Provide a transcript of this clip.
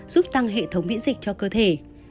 giúp tăng hệ thống biễn dịch cho cơ thể